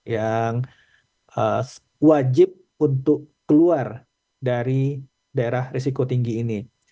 yang wajib untuk keluar dari daerah risiko tinggi ini